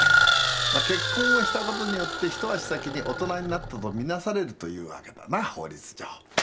まっ結婚をしたことによって一足先に大人になったと見なされるというわけだな法律上。